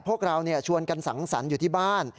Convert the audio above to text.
พวกเราชวนกันสังสรรค์อยู่ที่บ้าน